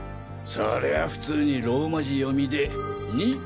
そりゃあ普通にローマ字読みで。